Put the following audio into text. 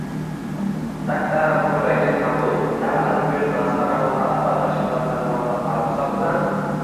Doktoranturaga qabul davlat buyurtmasi va manfaatdor tashkilotlar mablag‘lari hisobidan